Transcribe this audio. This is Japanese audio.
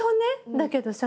だけどさ